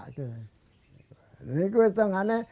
ini saya mengatakan